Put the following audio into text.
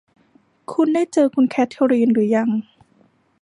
คุณได้เจอคุณแคทเทอรีนรึยัง